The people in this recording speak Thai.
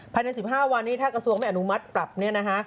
ภายใน๑๕วันนี้ถ้ากระทรวงไม่อนุมัติปรับเนี่ยนะฮะ